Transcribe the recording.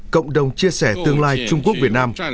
cộng đồng chia sẻ tương lai trung quốc việt nam